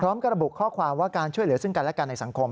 ระบุข้อความว่าการช่วยเหลือซึ่งกันและกันในสังคม